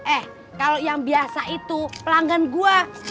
eh kalau yang biasa itu pelanggan gua